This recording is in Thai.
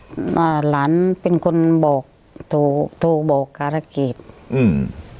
ครับอ่าหลานเป็นคนบอกถูกถูกบอกการภาพอืม